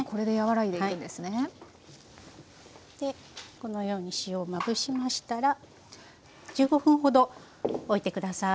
このように塩をまぶしましたら１５分ほどおいて下さい。